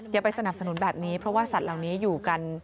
อย่าไปสนับสนุนแบบนี้เพราะว่าสัตว์เหล่านี้อยู่กัน